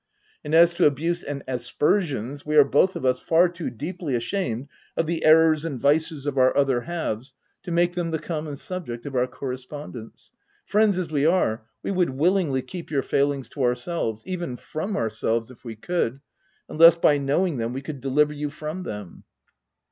And as to abuse and aspersions, we are both of us far too deeply ashamed of the errors and vices of our other halves, to make them the common subject of our correspondence. Friends as we are, we would willingly keep your failings to ourselves— even from ourselves if we could, unless by knowing them we could deliver you from them."